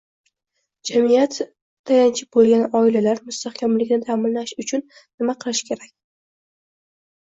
Jamiyat tayanchi bo‘lgan oilalar mustahkamligini ta’minlash uchun nima qilish kerak?